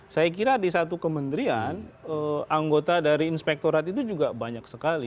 saya kira di satu kementerian anggota dari inspektorat itu juga banyak sekali